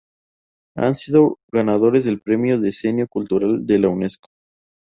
Han sido ganadores del premio Decenio Cultural de la Unesco.